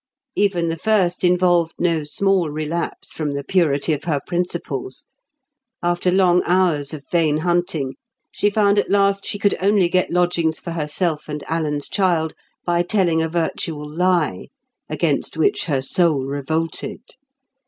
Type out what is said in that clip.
Even the first involved no small relapse from the purity of her principles. After long hours of vain hunting, she found at last she could only get lodgings for herself and Alan's child by telling a virtual lie, against which her soul revolted.